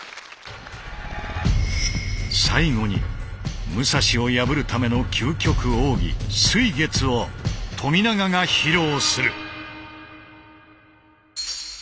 最後に武蔵を破るための究極奥義「水月」を冨永が披露する。